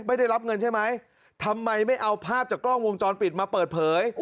ไม่ได้รับเงินใช่ไหมทำไมไม่เอาภาพจากกล้องวงจรปิดมาเปิดเผย